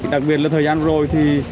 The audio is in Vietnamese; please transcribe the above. đặc biệt là thời gian vừa rồi thì